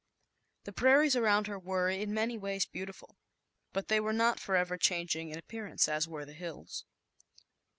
If at A he prairies around her were, in ny ways, beautiful, but they were not rever changing in appearance, as were the hills.